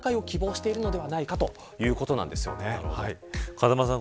風間さん